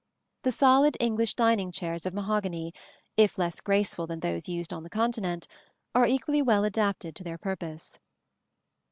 The solid English dining chairs of mahogany, if less graceful than those used on the Continent, are equally well adapted to their purpose.